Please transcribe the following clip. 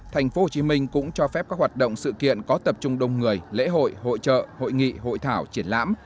tp hcm cũng cho phép các hoạt động sự kiện có tập trung đông người lễ hội hội trợ hội nghị hội thảo triển lãm